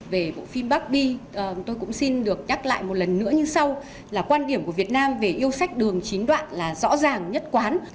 về bộ phim bax bi tôi cũng xin được nhắc lại một lần nữa như sau là quan điểm của việt nam về yêu sách đường chín đoạn là rõ ràng nhất quán